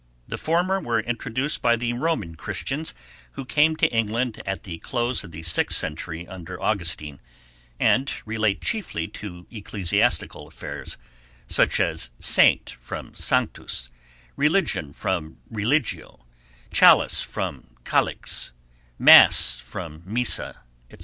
The former were introduced by the Roman Christians, who came to England at the close of the sixth century under Augustine, and relate chiefly to ecclesiastical affairs, such as saint from sanctus, religion from religio, chalice from calix, mass from missa, etc.